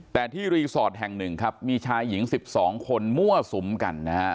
แต่ที่รีสอร์ทแห่งหนึ่งครับมีชายหญิง๑๒คนมั่วสุมกันนะฮะ